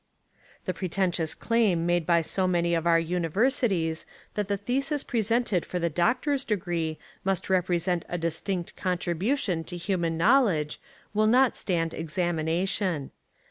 The pretentious claim made by so many of our universities that the thesis presented for the doctor's degree must represent a distinct contribution to human knowledge will not stand examination.